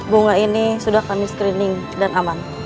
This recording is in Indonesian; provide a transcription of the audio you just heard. bunga ini sudah kami screening dan aman